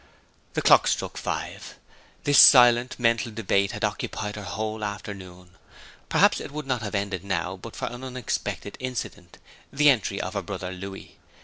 The clock struck five. This silent mental debate had occupied her whole afternoon. Perhaps it would not have ended now but for an unexpected incident the entry of her brother Louis.